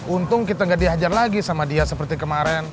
untung kita gak dihajar lagi sama dia seperti kemarin